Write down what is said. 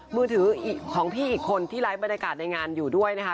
มือถือของพี่อีกคนที่ไลฟ์บรรยากาศในงานอยู่ด้วยนะคะ